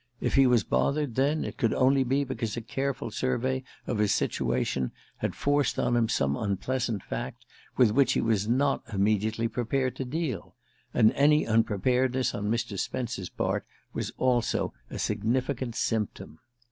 If he was bothered, then, it could be only because a careful survey of his situation had forced on him some unpleasant fact with which he was not immediately prepared to deal; and any unpreparedness on Mr. Spence's part was also a significant symptom.